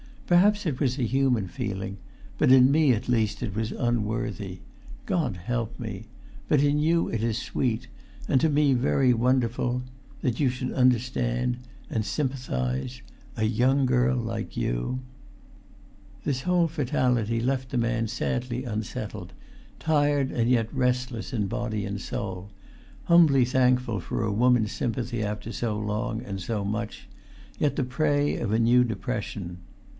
Perhaps it was a human feeling; but in me at least it was unworthy. God help me! But in you it is sweet, and to me very wonderful ... that you should understand and sympathise ... a young girl like you!" This whole fatality left the man sadly unsettled; tired and yet restless in body and soul; humbly thankful for a woman's sympathy after so long, and[Pg 375] so much, yet the prey of a new depression.